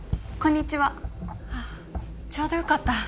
あっちょうどよかった。